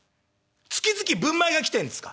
月々ぶんまいが来てんですか。